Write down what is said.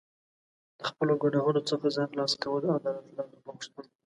د خپلو ګناهونو څخه ځان خلاص کول او د الله توبه غوښتل.